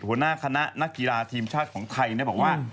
หัวหน้าคณะนักกีฬาทีมชาติของไทยบอกว่า